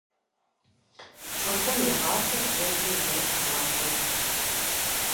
ЦӀыхум игъасэр езым ещхь мэхъуж.